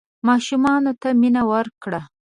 ماشومانو ته مینه ورکړه.